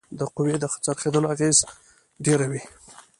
د قوې د څرخیدلو اغیزه ډیره وي.